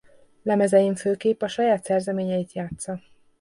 Lemezein főképp a saját szerzeményeit játssza.